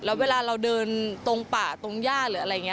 แล้วเวลาเราเดินตรงป่าตรงย่าหรืออะไรอย่างนี้